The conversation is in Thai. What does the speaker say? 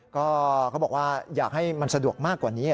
ก็เขาบอกว่าอยากให้มันสะดวกมากกว่านี้